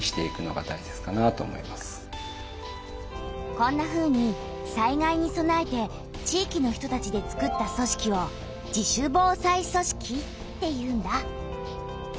こんなふうに災害にそなえて地域の人たちで作った組織を「自主防災組織」っていうんだ。